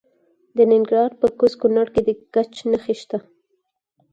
د ننګرهار په کوز کونړ کې د ګچ نښې شته.